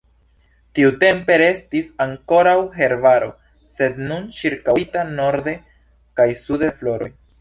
Tiutempe restis ankoraŭ herbaro, sed nun ĉirkaŭita norde kaj sude de floroj.